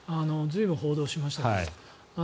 随分報道しました。